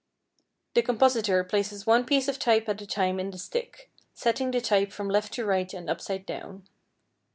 The compositor places one piece of type at a time in the stick, setting the type from left to right and upside down.